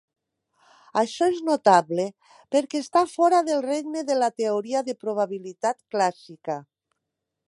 Això és notable perquè està fora del regne de la teoria de probabilitat clàssica.